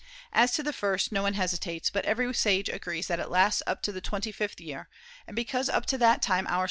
As to the first, no one hesitates, but every sage agrees that it lasts up to the twenty fifth year ; and because up to that time our sou!